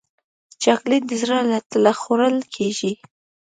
چاکلېټ د زړه له تله خوړل کېږي.